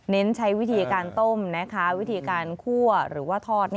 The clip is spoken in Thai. ใช้วิธีการต้มนะคะวิธีการคั่วหรือว่าทอด